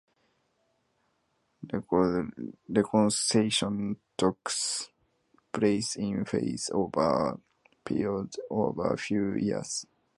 Reconstruction took place in phases over a period of a few years.